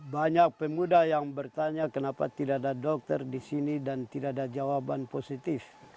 banyak pemuda yang bertanya kenapa tidak ada dokter di sini dan tidak ada jawaban positif